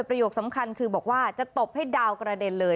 สำคัญคือบอกว่าจะตบให้ดาวกระเด็นเลย